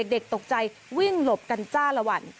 เด็กตกใจวิ่งหลบกันจ้าละวัน